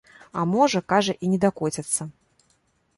А можа, кажа, і не дакоцяцца.